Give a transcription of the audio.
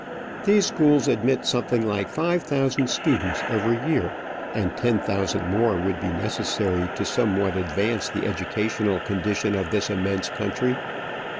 These sch(X)ls admit something like five thousand students every year, and ten thousand more would be necessary to somewhat advance the educational condition of this immense country.